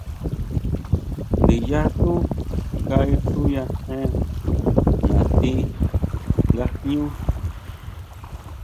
Ndiyá xú kaixuyajen natí nga jñú.